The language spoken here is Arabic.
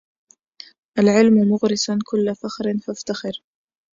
العلم مغرس كل فخر فافتخر